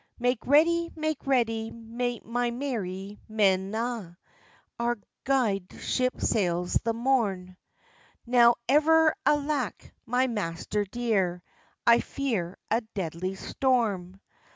"Make ready, make ready, my merry men a'! Our gude ship sails the morn." "Now ever alake, my master dear, I fear a deadly storm!